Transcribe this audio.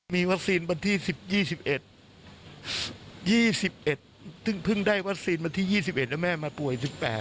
มีวัคซีนวันที่๑๐๒๑๒๑ซึ่งได้วัคซีนวันที่๒๑แล้วแม่มาป่วย๑๘